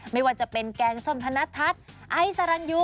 ไม่ว่าจะเป็นแกงสนธนธัตรไอ้สารังอยู่